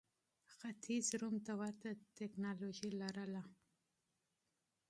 ختیځ روم ته ورته ټکنالوژي لرله.